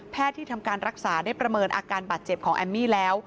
ที่ทำการรักษาได้ประเมินอาการบาดเจ็บของแอมมี่แล้ว